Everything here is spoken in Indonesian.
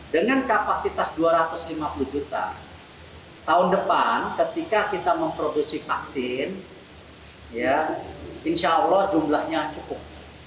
dengan kapasitas dua ratus lima puluh juta tahun depan ketika kita memproduksi vaksin insya allah jumlahnya cukup